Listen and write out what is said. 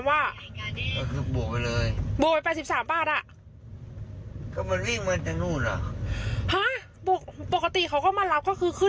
ไม่เกิน๒๖๐หรอกที่เขาตั้งไว้ราคา